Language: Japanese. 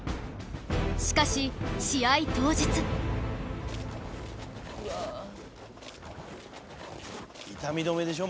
しかし「うわー」「痛み止めでしょ？